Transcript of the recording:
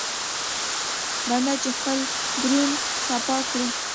بنده چې خپل درون صفا کړي.